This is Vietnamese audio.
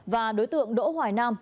và đối tượng đỗ hoài nam